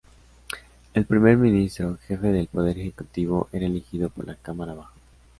El Primer Ministro, jefe del poder ejecutivo, era elegido por la cámara baja.